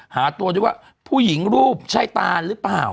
หาตัวได้ว่าผู้หญิงรูปใช่ตานหรือเปล่า